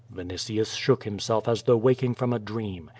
Vinitius shook himself as though waking from a dream.